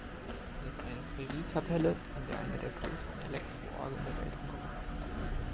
Es ist eine Prärie-Kapelle, in der eine der größten Elektroorgeln der Welt untergebracht ist.